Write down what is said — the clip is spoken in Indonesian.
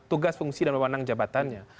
tugas fungsi dan pemenang jabatannya